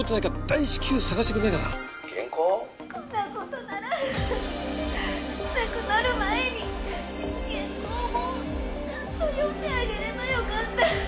こんな事なら亡くなる前に原稿もちゃんと読んであげればよかった！